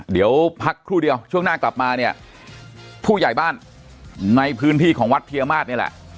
เดี๋ยวพักครู่เดียวช่วงหน้ากลับมาเนี่ยผู้ใหญ่บ้านในพื้นที่ของวัดเพียมาศนี่แหละ